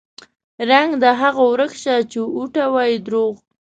رنګ د هغو ورک شه چې اوټه وايي دروغ